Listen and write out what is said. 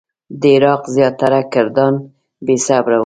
د عراق زیاتره کردان بې صبره وو.